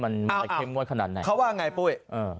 มันจะเข้มงวดขนาดไหนเขาว่าไงปุ้ย